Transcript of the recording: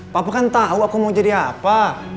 papa kan tahu aku mau jadi apa